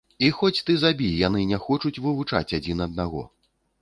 І хоць ты забі, яны не хочуць вывучаць адзін аднаго.